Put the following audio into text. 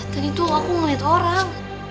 tadi tuh aku ngeliat orang